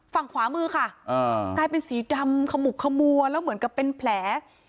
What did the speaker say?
ฝั่งขวามือค่ะกลายเป็นสีดำขมุกขมัวแล้วเหมือนกับเป็นแผล